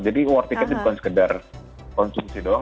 jadi waktu itu bukan sekedar konsumsi doang